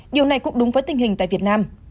điều này cũng đúng với tình hình tại việt nam